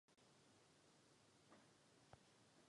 Dnes se nachází v londýnské Národní galerii.